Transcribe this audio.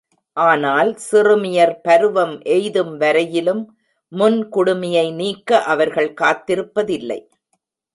ஆனால் சிறுமியர் பருவம் எய்தும் வரையிலும் முன் குடுமியை நீக்க அவர்கள் காத்திருப்பதில்லை.